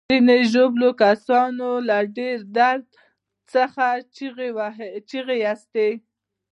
ځینو ژوبلو کسانو له ډیر درد څخه چیغې ایستلې.